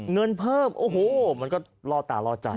เงินเพิ่มโอ้โหมันก็ล่อตาล่อใจ